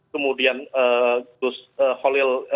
kemudian gus holil